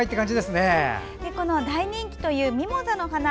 この大人気というミモザの花。